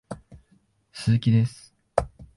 鈴木です